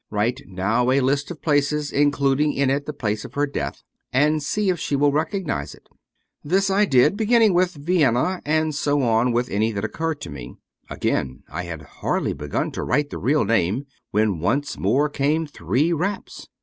Write now a list of places, including in it the place of her death, and see if she will recognize it.' This I did, beginning with Vienna, and so on with any that occurred to me. Again I had hardly begun to write the real name, when once more came three raps.